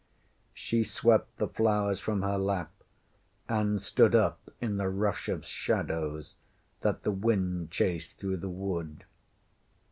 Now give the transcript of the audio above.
ŌĆÖ She swept the flowers from her lap and stood up in the rush of shadows that the wind chased through the wood.